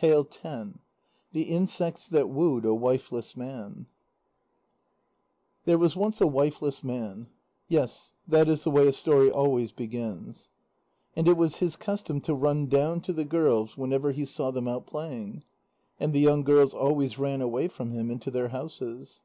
THE INSECTS THAT WOOED A WIFELESS MAN There was once a wifeless man. Yes, that is the way a story always begins. And it was his custom to run down to the girls whenever he saw them out playing. And the young girls always ran away from him into their houses.